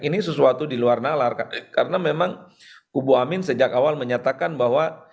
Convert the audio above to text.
ini sesuatu di luar nalar karena memang kubu amin sejak awal menyatakan bahwa